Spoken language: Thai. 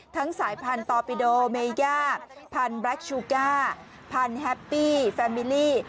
ทั้งสายพันตอปิโดเมยาพันแบล็คชูก้าพันแฮปปี้แฟมิลลี่